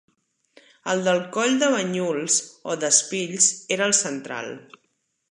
El del Coll de Banyuls, o d'Espills, era el central.